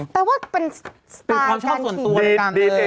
แต่ว่าเป็นสไตล์การขี่